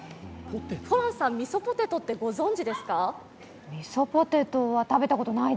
ホランさん、ミソポテトってご存じですか？